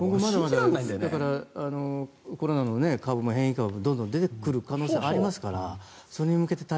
だからコロナの変異株も今後どんどん出てくる可能性ありますから。